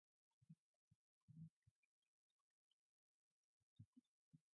All elimination matches are six holes, with a tie-breaker hole played twice.